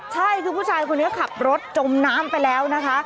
ใช่คือผู้ชายคนนี้ขับรถจมน้ำไปแล้วนะคะ